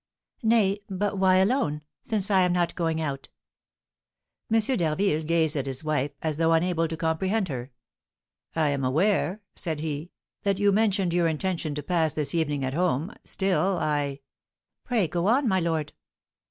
"Nay, but why alone, since I am not going out?" M. d'Harville gazed at his wife as though unable to comprehend her. "I am aware," said he, "that you mentioned your intention to pass this evening at home; still, I " "Pray go on, my lord."